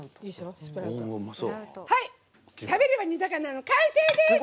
はい、「食べれば煮魚」の完成です！